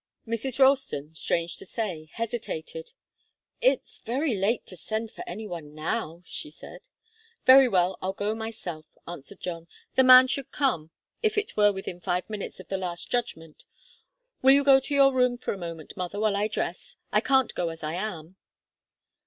Mrs. Ralston, strange to say, hesitated. "It's very late to send for any one now," she said. "Very well; I'll go myself," answered John. "The man should come, if it were within five minutes of the Last Judgment. Will you go to your room for a moment, mother, while I dress? I can't go as I am."